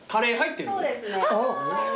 そうですね。